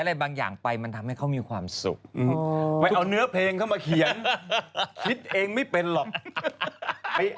เพ็งอะไรอ่ะไปถึงเตียนละครั้งฟังเพ็งของคุณใหม่เพ็งโล่งใจ